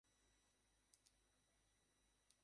কাছেই একটি পুরনো সেতু আছে।